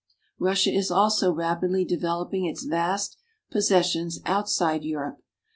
Russia is also rapidly developing its vast possessions outside Europe.